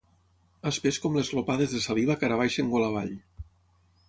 Espès com les glopades de saliva que ara baixen gola avall.